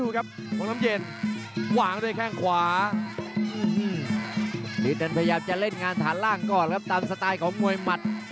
อื้อหือนี่นั้นพยายามจะเล่นงานฐานล่างก่อนครับตามสไตล์ของมวยมัด